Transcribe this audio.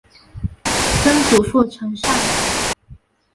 曾祖父陈善。